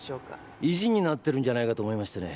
意地になってるんじゃないかと思いましてね。